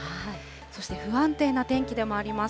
そして不安定な天気でもあります。